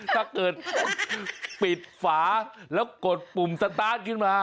ถ้าเกิดปิดฝาแล้วกดปุ่มสตาร์ทขึ้นมา